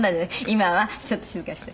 今はちょっと静かにして。